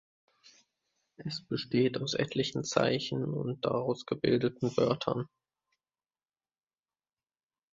Es besteht aus etlichen Zeichen und daraus gebildeten Wörtern.